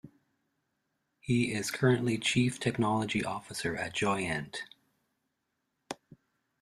He is currently Chief Technology Officer at Joyent.